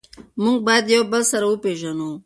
موږ باید یو بل سره وپیژنو.